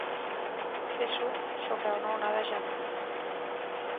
Fer surf sobre una onada gegant.